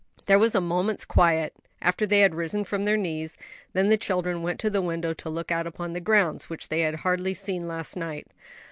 There was a moment's quiet after they had risen from their knees; then the children went to the window to look out upon the grounds, which they had hardly seen last night.